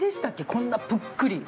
こんなぷっくり。